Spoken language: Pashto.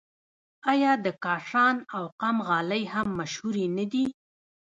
آیا د کاشان او قم غالۍ هم مشهورې نه دي؟